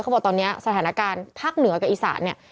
บอกตอนนี้สถานการณ์ภาคเหนือกับอีสานเนี่ย